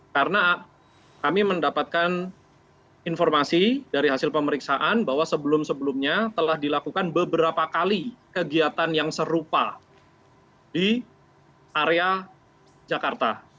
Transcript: karena kami mendapatkan informasi dari hasil pemeriksaan bahwa sebelum sebelumnya telah dilakukan beberapa kali kegiatan yang serupa di area jakarta